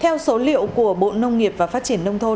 theo số liệu của bộ nông nghiệp và phát triển nông thôn